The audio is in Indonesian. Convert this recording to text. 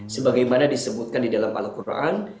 sebagaimana disebutkan di dalam al quran